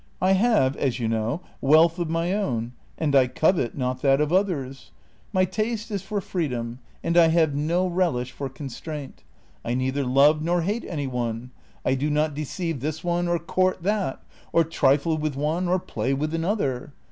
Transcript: I have, as you know, wealth of my own, and I covet not that of others ; my CIt AFTER XTV. 9^ taste is for freedom, and I have no relish for constraint ; I neither love nor hate any one ; I do not deceive this one or court that, or trifle with one or play with another.